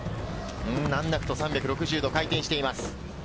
難なく３６０度、回転しています。